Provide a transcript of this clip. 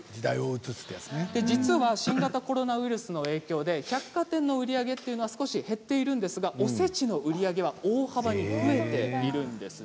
新型コロナウイルスの影響で百貨店の売り上げは落ちているんですがおせちの売り上げは大幅に増えています。